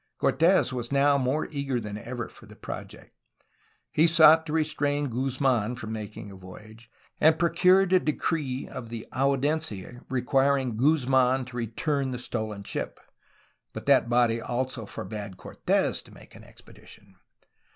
Cortes was now more eager than ever for the project. He sought to restrain Guzmdn from making a voyage, and pro cured a decree of the audiencia requiring Guzmdn to return the stolen ship, but that body also forbade Cortes to make an expedition.